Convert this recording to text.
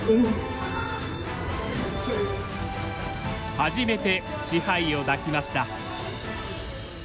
初めて賜杯を抱きました。